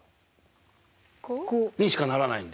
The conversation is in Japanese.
５？にしかならないんですよ。